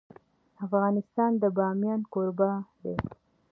افغانستان د بامیان کوربه دی.